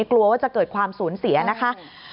กลัวว่าจะเกิดความสูญเสียนะคะ